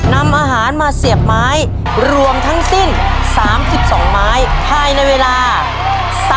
นำอาหารมาเสียบไม้รวมทั้งสิ้นสามสิบสองไม้ให้ในเวลาสามนาทีครับ